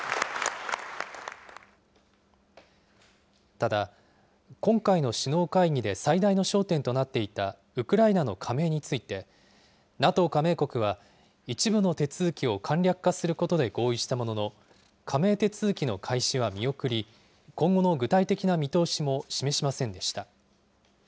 ただ、今回の首脳会議で最大の焦点となっていた、ウクライナの加盟について、ＮＡＴＯ加盟国は一部の手続きを簡略化することで合意したものの、加盟手続きの開始は見送り、今後の具体的な見通しも示しませんでした。